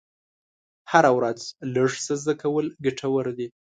هره ورځ لږ څه زده کول ګټور دي.